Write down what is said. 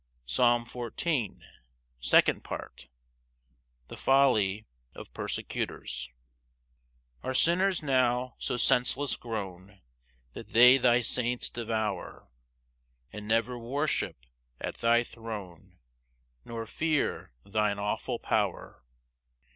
Psalm 14:2. Second Part. The folly of persecutors. 1 Are sinners now so senseless grown That they thy saints devour? And never worship at thy throne, Nor fear thine awful power?